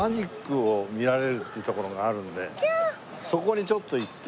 そこにちょっと行って。